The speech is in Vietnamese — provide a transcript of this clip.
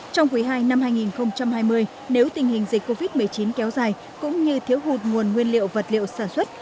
trong quý ii năm hai nghìn hai mươi nếu tình hình dịch covid một mươi chín kéo dài cũng như thiếu hụt nguồn nguyên liệu vật liệu sản xuất